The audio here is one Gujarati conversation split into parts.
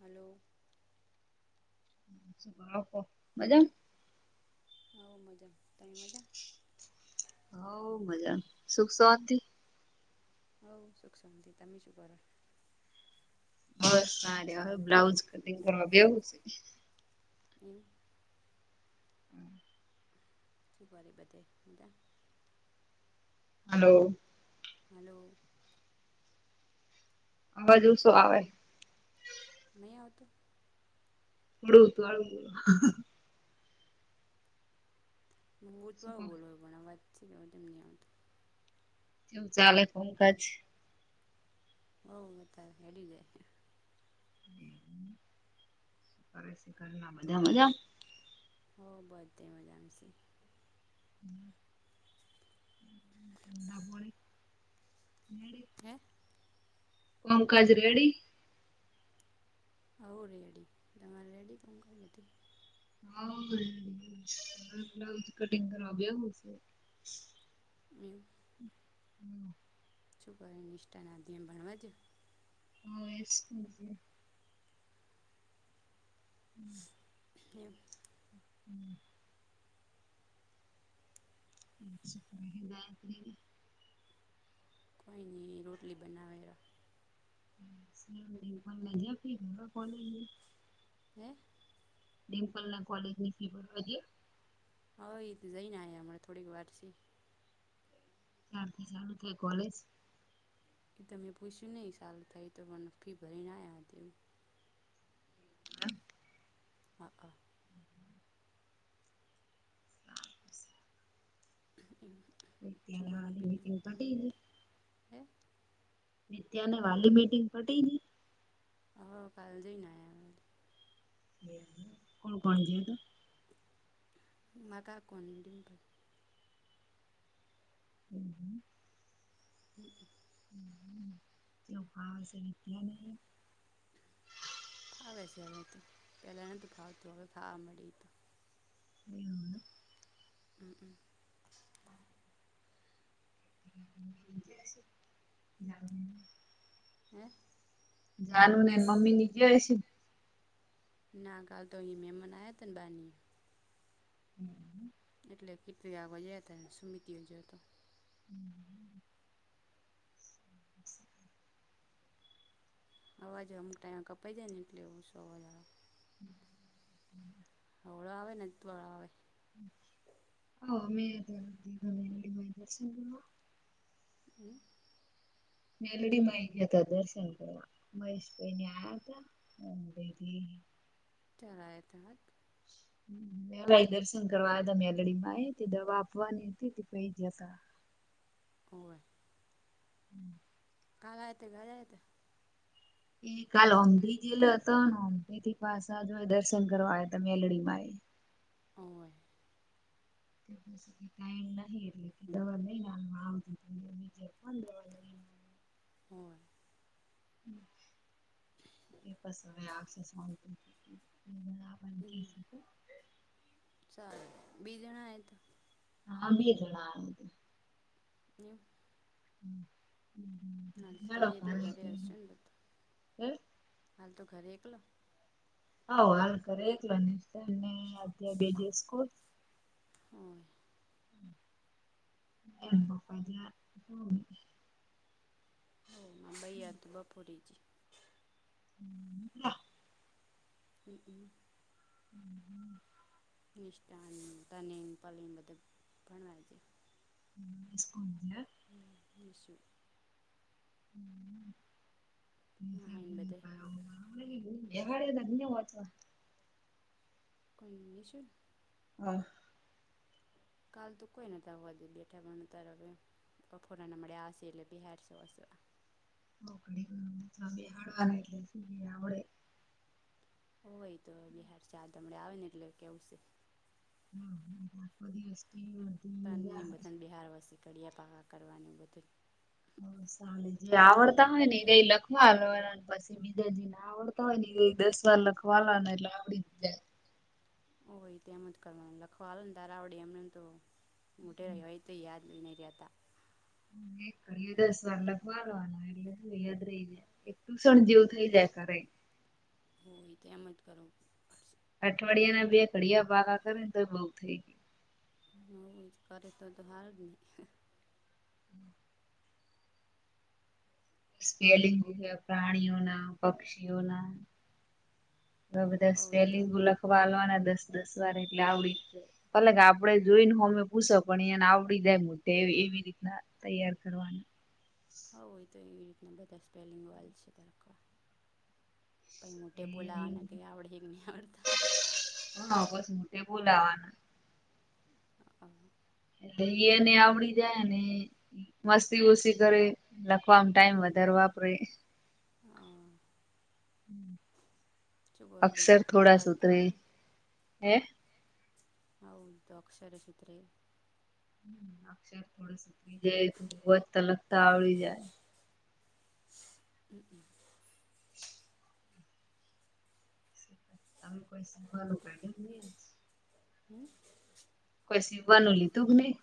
હલો. મજામાં. હ, મજા. તમે મજામાં? હ, મજા સુખ સવાથી. હઉ શખસંત તમે શું કરે? હ, સારું, હવે બ્લાઉઝ કટિંગ કરવા બેવું છે. એવું. હમ. શું કરો? બધા મજામાં? હલો. હલો. હવાજુ શું આવે? નહીં આવતો. હળું હતું, આળું. હુંત શું કો વારું બોલાવ્યા, પણ આ વાત છે કે, હું તેમ નહીં આવતું. એવું ચાલે, કામકાજ. ઓહ મત હે જે. ના બધા મજામાં. હો બ ડે મજામ છે [unintelligible] હમ. એપોળ એડી. હે. કાજરેડી. હવો રેડી તમારે રેડી કોણ ક્યું તમે હા બ્લાઉ કટિંગ કર્યા હ. મીમ. [inaudible] શું કરી નિષ્ઠાનાધ્યમ ભણવા દો હો એસ. હમ. એમ. હમ. અચછ ગાયત્રી. કોઈ નઈ રોટલી બનાવેરા મ લજ ફી થ કોલઈએ હે ડિમ્પલ ના કોલેજની ફલોજી હવે એ તો જઈને આ હમં થોડીક વાર છે ત્યારથી ચાલુ થાય કોલેજ એ તમેં પૂછ્યું નહિ સારું થાય તો મ ફી ભરી ના આવ્યા તેવું હમ હાહા. હ [unintelligible] એ છું કરરોો વાલી બીજ મીટિંગ તમે પટી રહેડી હે ત્યાને વાલી મીટિંગ પટી હા કાલ જઈ ને આયા. કોણ કોણ જયા. માગ આ કોણ ડિમપલ હમ હમ. હમ હમ. ચ પાશે લીત્યાની ફાવે છે હવે તો પેલા નતું ફાવતું હવે ખાવા મળી તો હમ. હમ હમ. જ [unintelligible] હે. જાનું ને મમ્મી ની જે હ છે. નાગ તોહી મેં મમાન આયા તન બની. હમ. એટલે કેટલી આવવાજયા હતા સુમતીયોજયો તો હમ હમ. અવાજે અમુક ટાઈઇમાં કપાઈ જાય ને એટલે એવું ઓસો અવાજ આવે. હળો આવે ને દળો આવે હ અમેયા દશન હમ. મેલડીમાંય ગયા હતા દર્શન કરવા મહેશભાઈ ને આવયા હતા. કયા આયાથા હાત હમ મે દર્શન કરવા હતા મેલડી માં એ દવા આપવાની હતી તે પઈ જતા હોવે. હમ. કા ગા તે [unintelligible] ધરે હતા એ કાલ ઓમઢી જેલો હતો ન ઓમઢી થી પાછા જો દર્શન કરવા આયો તો મેલડીમાં એ. કોહયે. તો પછથી ટાઈમ નહી એટલે કે દવા લઈને આવતીજ [unintelligible] પણ દવા લઈને. થોય એ બસ હવે આવશે [unintelligible] આપણને કે હમ છે તો. ચાલે બે જણા આયાતા. હા બે જણા આયાતા. નેમ હમ. હ હમ. ના તો તમે એકલે ઘરે હશો ને તો તો. હે. હાલ તો ઘરે એકલો. હઉ હાલ ઘરે એકલો ને [unintelligible] બે દિવસ સ્કૂલ. હોય. એ હમ [unintelligible] હમ મમ્બઈયા દુ બફુરીજી. હમ આ. હંક. હમ હમ. નિષ્ઠાનીતાનેન પલન બધે ભણાયે જાય. સ્કૂલ ગ્યા. હમ મિસ યુ. મહાઈને બધે [unintelligible] વાચવા. કોઈ ન મિસેન. હા. કાલ તો કોઈ નતા હોવા દે બેઠા પણનું તાર હવે કફોડાને મળ્યા આશે એટલે બિહાર છેવાસવા. હઉ ઘડીકવાર વોચવા બેહાડવા ને એટલે [unintelligible] આવડે. હોય તો બિહાર ચાર હમડે આવે ને એટલે કેવું છે. હા ઘડીક વોચવા બેસતી [unintelligible] પ્રણીને બધાને બિહારવાસી કળિયા પાાવા કરવાનીનું બધું. હ સામે જે આવડતા હોય ને એ લખવા આલવાના ન પસ બીજા જે ના આવડતા હોય ને એ દસ વાર લખવા આલવાના ને એટલે આવડી જાય. ઓ હોય તો એમજ કરવાનું લખવા હાલ ને તાર આવડે એમનેને તો મુંઢેય હોય તો યાદ નઈ રયા તા. હમ એક ઘડીયો દસ વાર લખવા આલવા નો એટલે શું યાદ રહી જાય. ટ્યુશન જેવું થઈ જાય ઘરે. હમ એ તો એમ જ કરો. અઠવાડિયાના બે ઘડિયા પાાગા કરે ન તો એ બઉ થઈ ગ્યું. હવ કરે તો તો હારું જ ને. સ્પેલિંગ [unintelligible] પ્રાણીઓના, પક્ષીઓના અ બધા હોવ ઈ તો સ્પેલિંગો લખવા આલવાના દસ દસ વાર એટલે આવડી જ જાય. પલે ગા આપડે જોઈન હોમે હુશ પણ એયાને આવડી જાય મુઢે એવી એવી રીતના તૈયાર કરવાનું. હવ એય તો એવી રીતના બધા સ્પેલિંગ વાલ છે તોય આખા. પાઈ મોટેે બોલા ના કઈ આવડે હેક નઈ આવડતા. હા પસ મુઢે બોલાવાના. આહ. એટલે એ એને આવડી જાય અને મસ્તી ઓસી કરે લખવામ ટાઈમ વધાર વાપરે. અ શું કરું અક્ષર બીજું થોડા કોમકાજ સુધરે પતી ગયું હે. હું જો તો અક્ષર ચિતિત. અક્ષર થોડ સુકરી જાય તોવા જ તલકતા આવડી જાય. હમ્મ [inaudible] [unintelligible] હમ્મ કોઈ સીવવાનું લીધું કે નહી.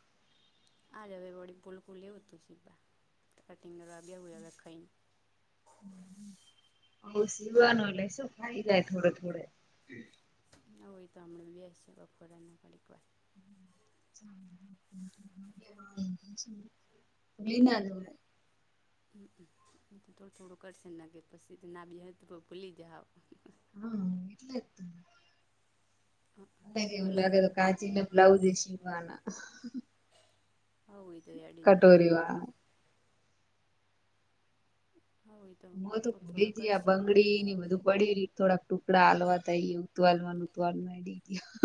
આજ હવે વળી ભૂલકું લેવું હતું સીવા કટિંગ કરવા બેહૂ હવે ખાઈને. સીવાનું એટલે શું થય જાય થોડે થોડે. હોઈ તો હમણાં બેસે બપોરે થોડીક વાર લી ના આવે. હ તો થોડું થોડું કરશે ને કેે પછી ના બી હ તો ભૂલી જ હાવ હા એટલે જ તો મ શું એવું કરો લાગે બીજું તો કાચીને બ્લાઉઝ સીવવાના. હ એ તો એડી જહે. કટોરી વાળા હા એ હું તો થોડો થોડો ભોલી ત આ કરશે બંગડી ની બધું પડી ર- થોડાક ટુકડા હલવા ત ઉતવાલવાનું ઉતવા ના દીધા.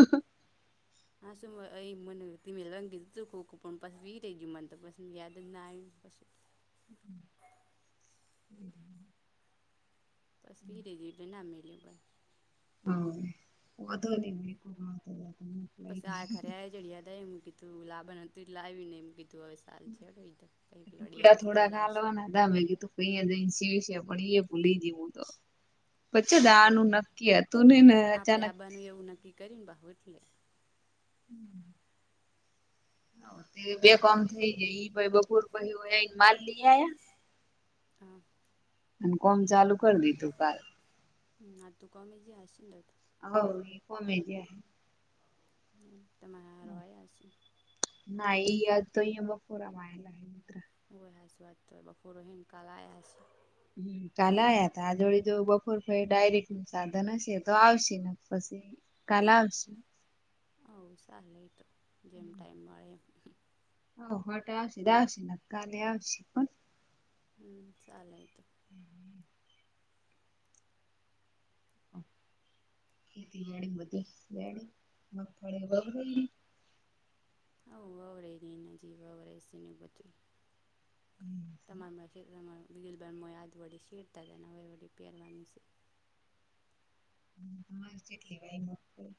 હા શું અ મને મેલવા ગીધું હતું ખો ખો પણ પસ વીટ જય મને તો પસ યાદ જ ના આવી પછ. હમ્મ બસ બી [unintelligible] નામમે લું ભાઈ. હ અધો ન [unintelligible] પછ આ ખરે આ જયારે યાદ આયુ એમ કી તું લા બન હતું લાવવી ને એમ કીધું હવે. [unintelligible] આવશે. બમે કે તું કહીયા જઈ શિવસે પણ એ ભૂલી દે હું તો પણ પછી દાનું નક્કી હતું ને ને અચાનક બન એવું ન કરી ને [unintelligible] હમ્મ હ તે બે કામ થઈ જાય ઈ ભાઈ બપોર બહી હોએ ન માલ દી આયા? હા અન કોમ ચાલુ કરી દીધું કાલ. હમ્મ, આજ તો કોમે જ્યા હશે ન ર હવ ઈ કોમે ગ્યા હે. હમ્મ, તમાર હાહરો આયા હશે? ના, ઈય આજ તો ઈય બપોરમ આયલા. હોવે, હાસ વાત તોય બપોર હીન કાલ આયા હશે. હમ્મ. કાલે આયા તા, આજ વળી જો બપોર પહી ડાયરેક્ટનું સાધન હશે તો આવશે નક પસી કાલ આવશુ હવ સાલે ઈ તો, જેમ ટાઈમ મળે એમ. [unintelligible] હમ્મ, સાલે ઈ તો. હમ્મ. ખેતીવાડીમ બધી વેડી મગફળી હવ, વવરઈ રી ઈન જી વવરઈ સીન બધુય. ખેતરમાં બીયેલબાન મોય હાથ વડી શેઢતા જાયન અવે વડી પહેરવાનું શે. હમ્મ, તમાર ચેટલી વાય મગફળી?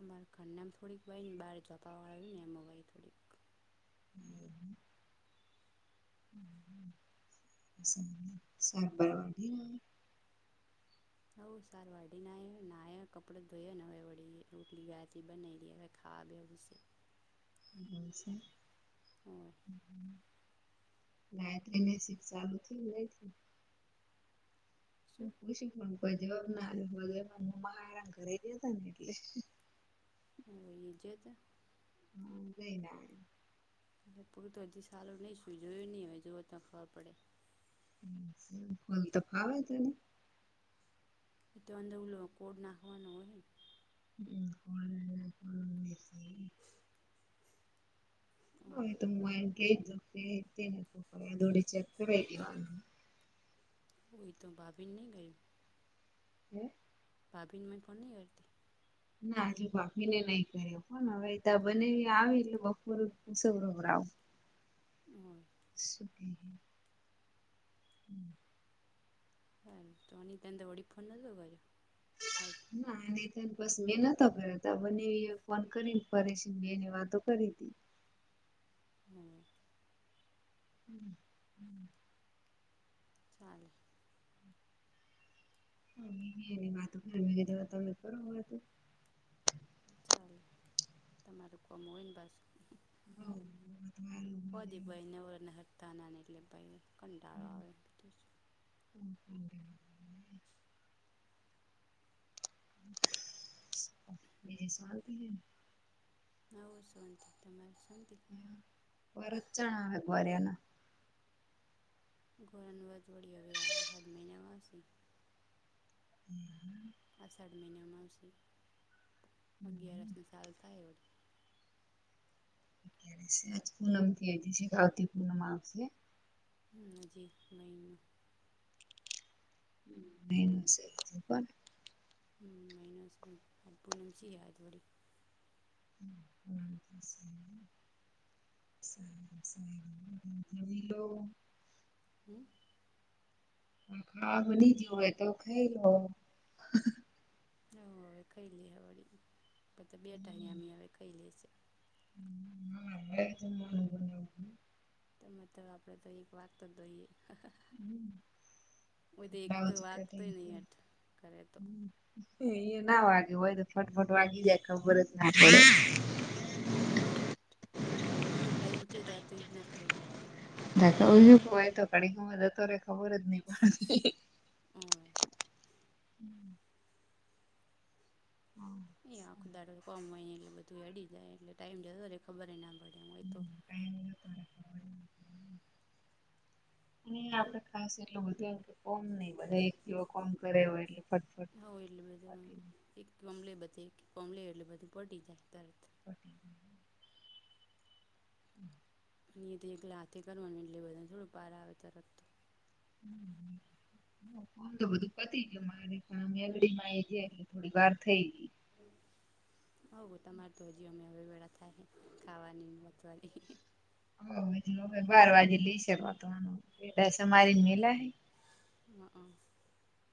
અમાર ઘરનામ થોડીક વાયન બાર જાપાવાળુ રયુન એમાં વાય થોડીક. [unintelligible] વાઢીન આવે. [unintelligible] હવ, સાર વાઢી ને આઈ, નાયા કપડ ધોયો, હવે વળી રોટલી આટલી બનાઈ રઈ હવે ખાવા બેહવું શે. એવુ શે [unintelligible] હોય ગાયત્રીની સીફ ચાલુ થી ક નઈ થી. હુ શું પુશી પણ કોઈ એ જવાબ ના આલયો, વધારાનું માર હા હરાન ઘરે ગયા તાન એટલે. હોવે ઈ જ્યાતા. હવ, જઈન આયા. પોર તો હજી સાલુ ની શયું, જોયું ની હોય, જોવે તો ખબર પડે. એવુ શે, ફોલતા ફાવે તને? ઈ તો અંદર ઉલો કોડ નાખવાનું અહે. [unintelligible] [unintelligible] હન, ને એ તો મુ એન કેય તો તે કેહે તો, દોડી ચેક કરાઈ દેવાનું. હોવ, ઈ તો ભાભી ને નઈ ગઈ. હે? ભાભી ને મય ફોનની અડતી? ના, હજુ ભાભીને નઈ કર્યો, પણ હવે ઈ તાર બનાવી આવી, એટલે બપોરે પુશવરાવું. હોય શું કેહે? હમ. હારું, તો ની તનતો વળી ફોન નલ્લો કરયો. હારુ. ના, ને તોન પશ મે નતો કર્યો, તાર બનેવીએ ફોન કરીને ફરે, શેન એની એ વાતો કરી તી. હોવે. હમ, હમ. ચાલે. હવે, એની એની વાતો કરે, મે કીધુ, હવે તમે કરો હવે તો. ચાલે, તમારું કોમ હોય ન પાશુ. હવ, [unintelligible] પ્રદીપભાઈ નવરેને હતા ને, એટલે પહી કંટાળો આવે બી. [unintelligible] [unintelligible] હવે શાંતિ તમારે, શાંતિ. વરચણા બરેના. ગોરન વજવળી આવ્યા, હર મહિના માંસી. [unintelligible] આષાઢ મહિનામાં આવશે, અગિયારસ સાલ થાય વળી. અત્યારે આ પૂનમ છે, વતી પૂનમ આવશે. નથી, મહનું. બેન છે. હજી પણ હ, મઇનાસ આ પૂનમ સે યાદ વળી. [unintelligible] [unintelligible] હમ. હા, બની જાય હોય તો, ખાઈ લો. હવે હવે ખાઈ લઇ હ વળીને, બધા બેટા અહીંયામી હવે ખાઈ લે છે. [unintelligible] તમે તો આપણેે તો એક વાત તો દોઈએ. એક તો બ્લાઉઝ કટિંગ વાગતોય નહ અટ કરે તો [unintelligible] એ ના વાગે હોય, તો ફટફટ વાગી જાય, ખબર જ ના પડે ‌. અને ઇ તો તો ટાઈમ ચ્યા જતો, એ જ નથી, ખબર પડતી. ના કજું કય તો કડી ગમાં જતો રે ખબર જ નહ પડતી [unintelligible] હોય. [unintelligible] અહી આખું દારડો કોમ હોય, એટલે બધું હડી જાય, એટલે ટાઈમ જતો રહે, ખબર ના પડે, એમુંય તો [unintelligible] અ આપડે ખાસ એટલું બધું, એમ કે કોમ નહીં બધા એક દવ કોમ કરે હોય એટલે. ફટફટ હઉ એટલે બધું એક કમલે બધું એક કોમલે એટલ બધું પડી જાય તરત. પતી [unintelligible] અને એ તો એકલે હાથે કરવા, એટલે બધાને થોડું પાર આવે તરત. [unintelligible] તો બધું પતી ગયું, મારે કામ એડી આવી ગયા, એટલે થોડી વાર થઈ ગઈ. હવે તમારે તો, હજી અમે હવે વેળા થાય ખાવાની વધવાની. હજ હવે બાર વાગે લઈશ, વાનું એટમારી મેલા હ. હ, હ.